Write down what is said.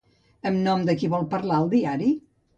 En nom de qui vol parlar el diari?